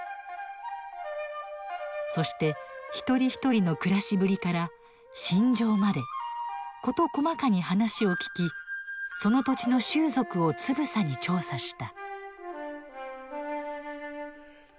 そして一人一人のくらしぶりから信条まで事細かに話を聞きその土地の習俗をつぶさに調査した。